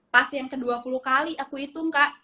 pas yang ke dua puluh kali aku itung kak